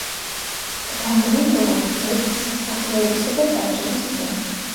დგამდნენ როგორც ძეგლს სასახლეებისა და ტაძრების წინ.